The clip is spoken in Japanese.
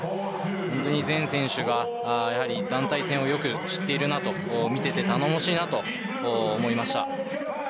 本当に全選手が団体戦をよく知っていると見ていて頼もしいなと思いました。